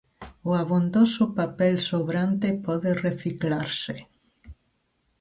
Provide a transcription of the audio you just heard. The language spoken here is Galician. O abondoso papel sobrante pode reciclarse.